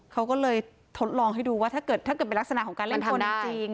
เขาก็เลยทดลองให้ดูว่าถ้าเกิดเป็นลักษณะของการเล่นตัวจริง